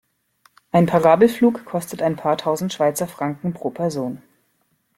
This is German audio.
Ein Parabelflug kostet ein paar tausend Schweizer Franken pro Person.